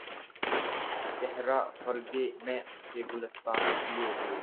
چہرہ فروغِ مے سے گُلستاں کئے ہوئے